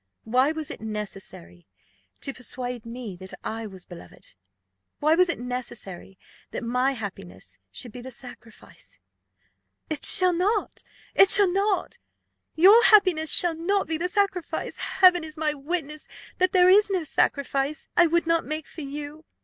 Why was it necessary to persuade me that I was beloved? Why was it necessary that my happiness should be the sacrifice?" "It shall not! it shall not! Your happiness shall not be the sacrifice. Heaven is my witness, that there is no sacrifice I would not make for you.